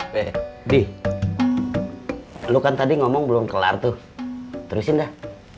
be di lu kan tadi ngomong belum kelar tuh terusin dah